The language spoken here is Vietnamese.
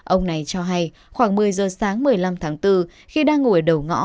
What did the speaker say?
ông này cho hay khoảng một mươi giờ sáng một mươi năm tháng bốn khi đang ngồi đầu ngõ